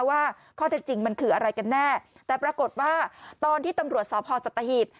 ว่าข้อเท็จจริงมันคืออะไรกันแน่แต่ปรากฏว่าตอนที่ตำรวจสพสัตหีบ